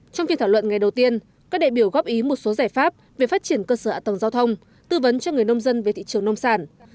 trong phiên thảo luận ngày đầu tiên các đại biểu góp ý một số giải pháp về phát triển cơ sở ạ tầng giao thông tư vấn cho người nông dân về thị trường nông sản